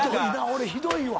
俺ひどいわ。